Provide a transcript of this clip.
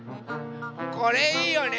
これいいよね。